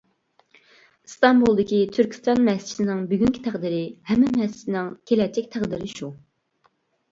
ئىستانبۇلدىكى تۈركىستان مەسچىتىنىڭ بۈگۈنكى تەقدىرى ھەممە مەسچىتنىڭ كېلەچەك تەقدىرى شۇ.